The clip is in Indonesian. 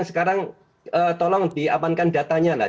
sekarang tolong diamankan datanya lah